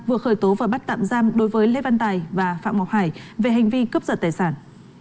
vừa khởi tố và bắt tạm giam đối với lê văn tài và phạm ngọc hải về hành vi cướp giật tài sản